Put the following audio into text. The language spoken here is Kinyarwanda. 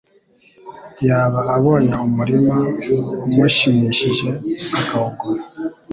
Yaba abonye umurima umushimishije akawugura